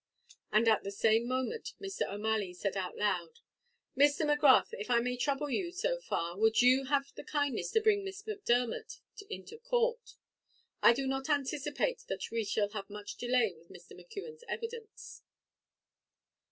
And at the same moment Mr. O'Malley said out aloud: "Mr. Magrath, if I might trouble you so far, would you have the kindness to bring Miss Macdermot into court? I do not anticipate that we shall have much delay with Mr. McKeon's evidence."